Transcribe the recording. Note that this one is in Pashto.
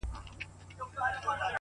هره هڅه د راتلونکي بنسټ جوړوي.!